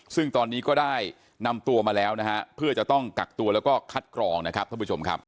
ซึ่งตอนนี้ก็ได้นำตัวมาแล้วนะฮะเพื่อจะต้องกักตัวแล้วก็คัดกรองนะครับท่านผู้ชมครับ